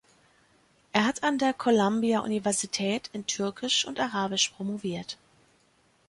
Er hat an der Columbia-Universität in Türkisch und Arabisch promoviert.